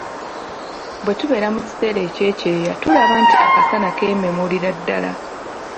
Bwe tubeera mu kiseera eky'ekyeya tulaba nti akasana keememulira ddala.